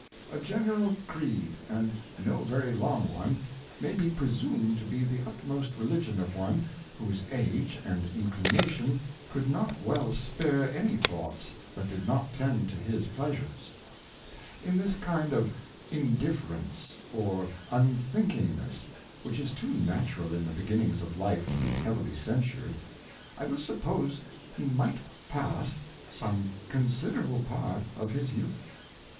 A General Creed, and no very long one, may be presumed to be the utmost Religion of one, whose Age and Inclination could not well spare any Thoughts that did not tend to his Pleasures. In this kind of Indifference or Unthinkingness, which is too natural in the beginnings of Life to be heavily censured, I will suppose he might pass some considerable part of his Youth.